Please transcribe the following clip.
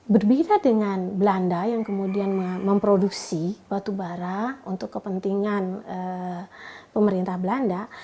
berbeda dengan belanda yang kemudian memproduksi batu bara untuk kepentingan pemerintah belanda